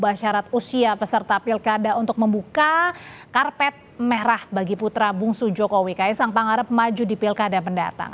sebuah syarat usia peserta pilkada untuk membuka karpet merah bagi putra bungsu jokowi kaisang pangarep maju di pilkada mendatang